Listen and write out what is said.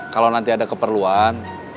kalau nanti ada keperluan